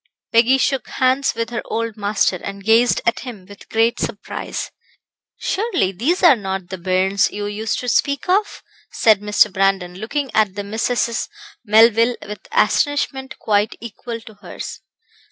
Peggy shook hands with her old master, and gazed at him with great surprise. "Surely, these are not the bairns you used to speak of?" said Mr. Brandon, looking at the Misses Melville with astonishment quite equal to hers.